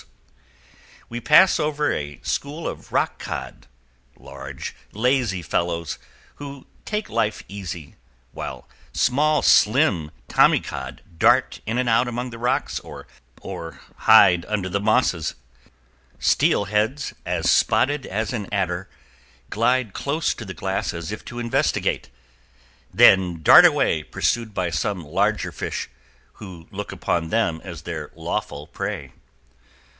[Illustration: THE BREAKING WAVES] We pass over a school of rock cod large, lazy fellows who take life easy, while small, slim tommy cod dart in and out among the rocks or hide under the mosses. Steel heads, as spotted as an adder, glide close to the glass as if to investigate, then dart away pursued by some larger fish, who look upon them as their lawful prey.